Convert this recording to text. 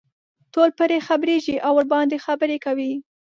ټول پرې خبرېږي او ورباندې خبرې کوي.